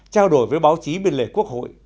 trao đổi với báo chí biên lệ quốc hội